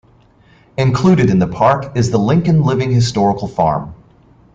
Included in the park is the Lincoln Living Historical Farm.